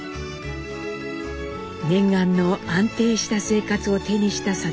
念願の安定した生活を手にした定吉。